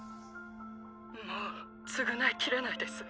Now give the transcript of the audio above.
もう償い切れないです。